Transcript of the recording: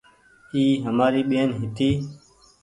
اي همآري ٻين هيتي ۔